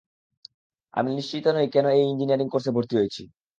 আমি নিশ্চিত নই কেন এই ইঞ্জিনিয়ারিং কোর্সে ভর্তি হয়েছি?